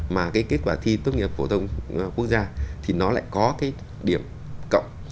mà cái kết quả thi tốt nghiệp phổ thông quốc gia thì nó lại có cái điểm cộng